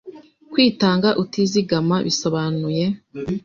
Kwitanga utizigama bisobanuye